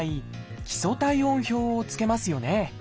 基礎体温表をつけますよね。